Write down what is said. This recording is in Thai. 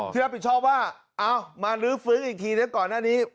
ที่รับผิดชอบว่าเอามาลื้อฟื้นอีกทีนะก่อนหน้านี้